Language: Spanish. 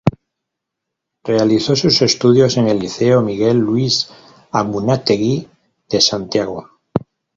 Realizó sus estudios en el Liceo Miguel Luis Amunátegui de Santiago.